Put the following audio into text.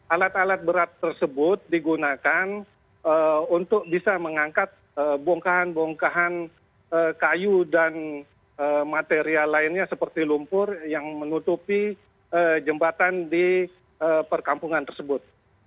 alat alat berat tersebut digunakan untuk bisa mengangkat bongkahan bongkahan kayu dan material lainnya seperti lumpur yang menutupi jembatan di perkampungan tersebut